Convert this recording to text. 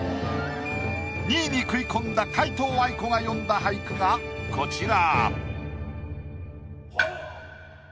２位に食い込んだ皆藤愛子が詠んだ俳句がこちら。